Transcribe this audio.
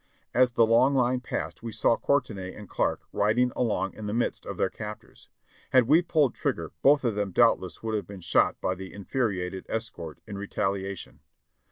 As the long line passed we saw Courtenay and Clarke riding along in the midst of their captors. Had we pulled trigger both of them doubtless would have been shot by the infuriated escort, in retaliation.